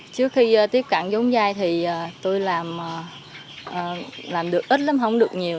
trước khi tiếp cận giống dai thì tôi làm được ít lắm không được nhiều